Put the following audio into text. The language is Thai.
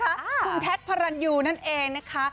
คุณแท็กพระรันยูนั่นเองนะคะ